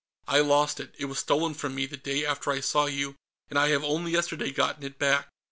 I lost it. It was stolen from me, the day after I saw you, and I have only yesterday gotten it back.